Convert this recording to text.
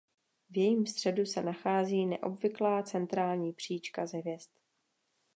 V jejím středu se nachází neobvyklá centrální příčka z hvězd.